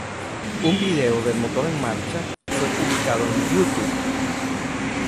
Un video del motor en marcha fue publicado en YouTube.